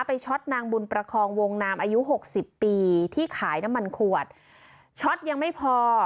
ช็อตนางบุญประคองวงนามอายุหกสิบปีที่ขายน้ำมันขวดช็อตยังไม่พอ